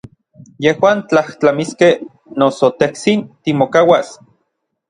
Yejuan tlajtlamiskej, noso tejtsin timokauas.